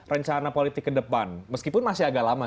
rencana politik ke depan meskipun masih agak lama